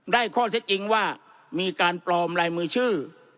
ได้ข้อเท็จจริงว่ามีการปลอมลายมือชื่อ